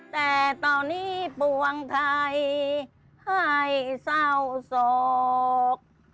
แต่ตอนนี้ปวงไทยให้เศร้าโศก